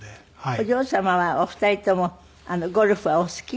お嬢様はお二人ともゴルフはお好き？